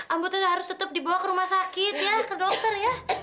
ambutut harus tetap dibawa ke rumah sakit ya ke dokter ya